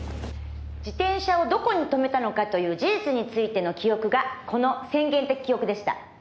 「自転車をどこに止めたのかという事実についての記憶がこの宣言的記憶でした」